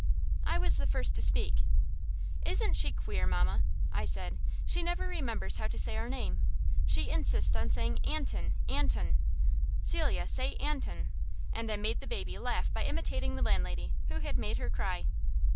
I was the first to speak. "Isn't she queer, mamma!" I said. "She never remembers how to say our name. She insists on saying Anton Anton. Celia, say Anton." And I made the baby laugh by imitating the landlady, who had made her cry.